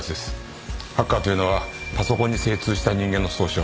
ハッカーというのはパソコンに精通した人間の総称。